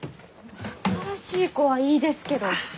新しい子はいいですけど。